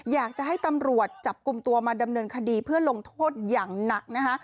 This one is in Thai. อยากจะให้ตำรวจจับกลุ่มตัวมาดำเนินคดีเพื่อลงโทษอย่างหนักนะคะ